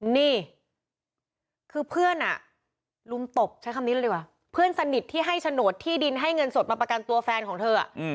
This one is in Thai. นี่คือเพื่อนอ่ะลุมตบใช้คำนี้เลยดีกว่าเพื่อนสนิทที่ให้โฉนดที่ดินให้เงินสดมาประกันตัวแฟนของเธอ